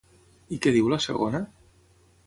I què diu la segona?